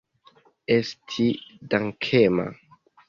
Esti dankema.